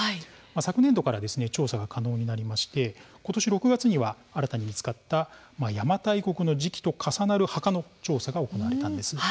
昨年度から調査が可能になり今年６月には、新たに見つかった邪馬台国の時期と重なる墓の調査が行われたんです。